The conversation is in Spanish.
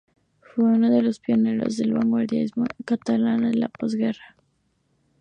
Fue uno de los pioneros del vanguardismo catalán de la posguerra.